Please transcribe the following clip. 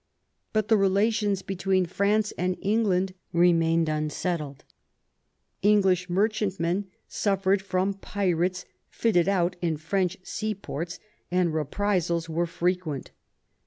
But the relations between France and England remained unsettled. English merchantmen suffered from pirates fitted out in French seaports, and reprisals were frequent.